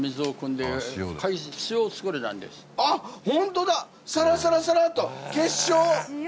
あっホントだサラサラサラと結晶。